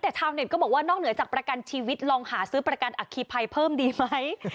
ก็ได้แต่แท้เท่าเน็ตก็บอกว่านอกเหนือจากประกันชีวิตลองหาซื้อประกันออคีไพรเพิ่มดีไหม